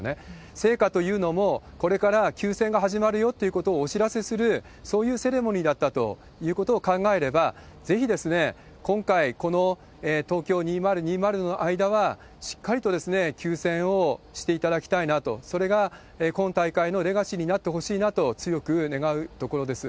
聖火というのも、これから休戦が始まるよということをお知らせする、そういうセレモニーだったということを考えれば、ぜひ今回、この東京２０２０の間は、しっかりと休戦をしていただきたいなと、それが今大会のレガシーになってほしいなと、強く願うところです。